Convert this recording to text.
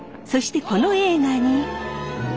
そしてこの映画に。